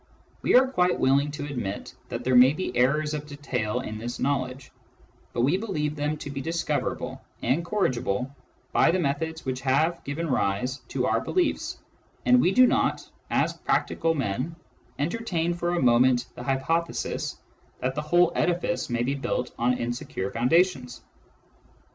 We are quite willing to admit that there may be errors of detail in this knowledge, but we believe them to be discoverable and corrigible by the methods which have given rise to our beliefs, and we do not, as practical men, entertain for a moment the hypothesis that the whole edifice mj^ be built on insecure foundations.